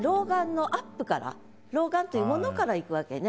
老眼という物からいくわけね。